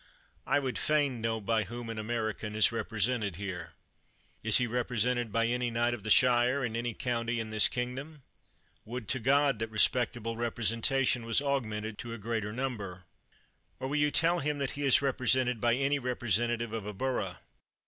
I would fain know by whom an American is represented here. Is he represented by any knight of the shire, in any county in this kingdom? Would to God that respectable representation was augmented to a greater number! Or will you tell him that he is represented by any repre sentative of a borough?